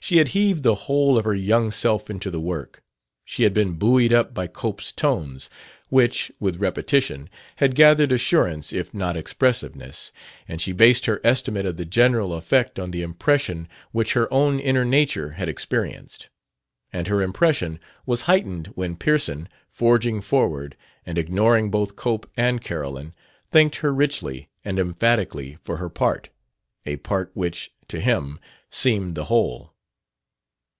She had heaved the whole of her young self into the work; she had been buoyed up by Cope's tones, which, with repetition, had gathered assurance if not expressiveness; and she based her estimate of the general effect on the impression which her own inner nature had experienced. And her impression was heightened when Pearson, forging forward, and ignoring both Cope and Carolyn, thanked her richly and emphatically for her part a part which, to him, seemed the whole.